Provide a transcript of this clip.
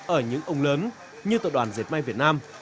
ở những ông lớn như tập đoàn diệt may việt nam